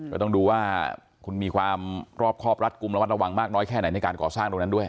ก็ต้องดูว่าคุณมีความรอบครอบรัดกลุ่มระมัดระวังมากน้อยแค่ไหนในการก่อสร้างตรงนั้นด้วย